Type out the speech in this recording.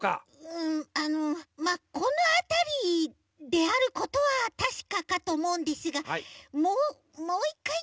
うんあのまっこのあたりであることはたしかかとおもうんですがももう１かい